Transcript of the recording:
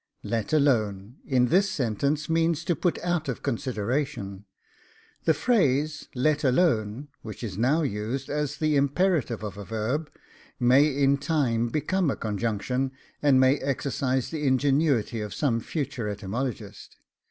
LET ALONE, in this sentence, means put out of consideration. The phrase, let alone, which is now used as the imperative of a verb, may in time become a conjunction, and may exercise the ingenuity of some future etymologist.